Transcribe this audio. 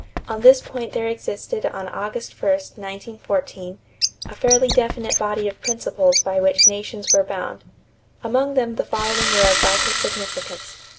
On this point there existed on August 1, 1914, a fairly definite body of principles by which nations were bound. Among them the following were of vital significance.